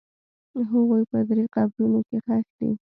هغوی په درې قبرونو کې ښخ دي.